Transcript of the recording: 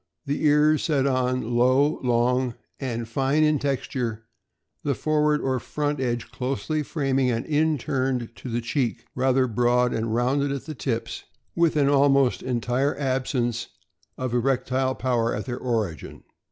The ears set on low, long, and fine in texture, the forward or front edge closely framing and inturned to the cheek, rather broad and rounded at the tips, with an almost entire absence of erect ile power at their origin.